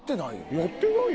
やってないよ